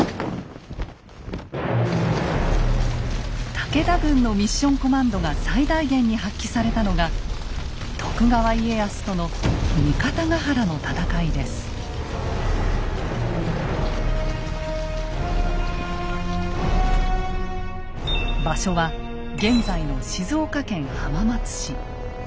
武田軍のミッション・コマンドが最大限に発揮されたのが徳川家康との場所は現在の静岡県浜松市。